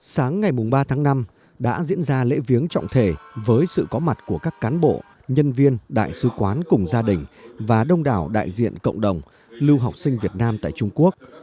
sáng ngày ba tháng năm đã diễn ra lễ viếng trọng thể với sự có mặt của các cán bộ nhân viên đại sứ quán cùng gia đình và đông đảo đại diện cộng đồng lưu học sinh việt nam tại trung quốc